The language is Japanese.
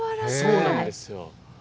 そうなんですよ。